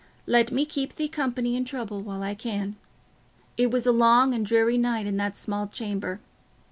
Let me keep thee company in trouble while I can." It was a long and dreary night in that small chamber.